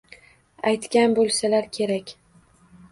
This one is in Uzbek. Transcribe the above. Aytgan bo‘lsalar kerak?